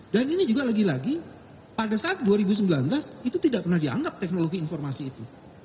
dan ini juga lagi lagi pada saat dua ribu sembilan belas itu tidak pernah dianggap teknologi informasi itu